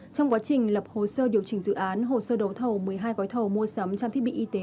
trong quá trình lập hồ sơ điều chỉnh dự án hồ sơ đấu thầu một mươi hai gói thầu mua sắm trang thiết bị y tế